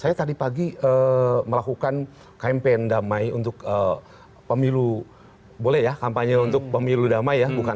saya tadi pagi melakukan kampanye untuk pemilu damai ya